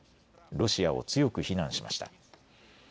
ロシアを強く非難しました。